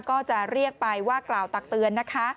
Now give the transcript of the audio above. ก็จะเรียกไปว่ากล่าวตักเตือนนะคะ